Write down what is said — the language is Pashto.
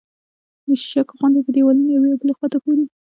د شیشکو غوندې په دېوالونو یوې او بلې خوا ته ښوري